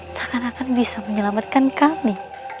seakan akan bisa menyelamatkan kami